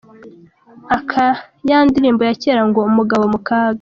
Aka ya ndirimbo ya kera ngo « umugabo mu kaga ».